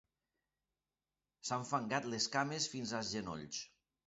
S'ha enfangat les cames fins als genolls.